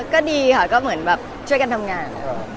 ค่ะก็เชื่อกันทำงาน